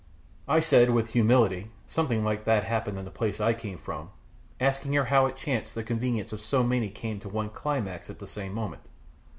I said, with humility, something like that happened in the place I came from, asking her how it chanced the convenience of so many came to one climax at the same moment.